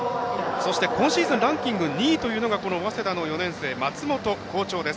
今シーズン、ランキング２位というのが早稲田の松本好調です。